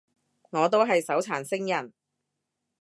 我都係手殘星人